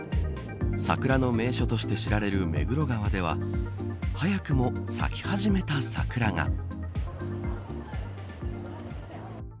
桜の名所と知られる目黒川では早くも咲き始めた桜が。